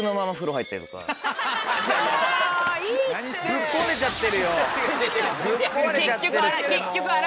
ぶっ壊れちゃってるってもう！